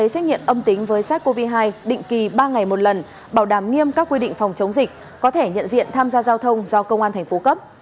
xét nghiệm âm tính với sars cov hai định kỳ ba ngày một lần bảo đảm nghiêm các quy định phòng chống dịch có thể nhận diện tham gia giao thông do công an thành phố cấp